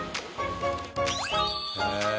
へえ。